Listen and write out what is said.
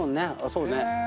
そうね。